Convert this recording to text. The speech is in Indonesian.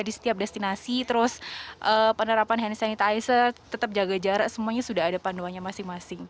di setiap destinasi terus penerapan hand sanitizer tetap jaga jarak semuanya sudah ada panduannya masing masing